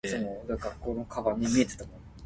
食王城水，未肥也會媠